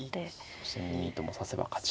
そして２二ともう指せば勝ち。